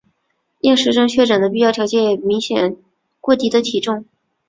厌食症确诊的必要条件为明显过低的体重。